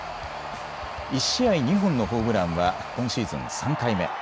１試合２本のホームランは今シーズン３回目。